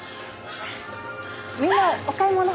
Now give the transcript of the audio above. みんなお買い物？